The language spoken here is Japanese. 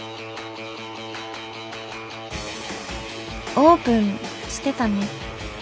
オープンしてたね。